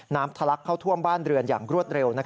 ทะลักเข้าท่วมบ้านเรือนอย่างรวดเร็ว